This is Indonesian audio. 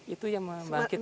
itu yang membangkitkan